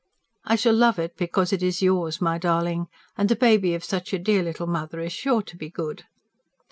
"I shall love it because it is yours, my darling. And the baby of such a dear little mother is sure to be good."